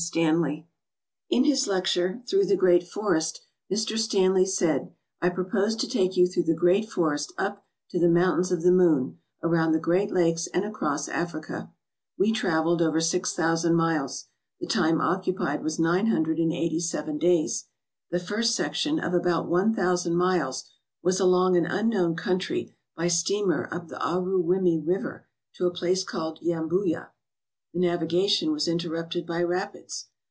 STANLEY IN his lecture, "Through the Great Forest," Mr. Stanley said, I propose to take you through the great forest up to the Mountains of the Moon, around the great lakes and across Africa. We traveled over six thousand miles. The time occupied was nine hundred and eighty seven days. The first section, of about one thousand miles, was along an unknown country by steamer up the Aruwimi River, to a place called Yambuya. The navigation was interrupted by rapids.